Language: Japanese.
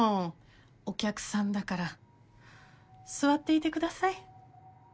お客さんだから座っていてください。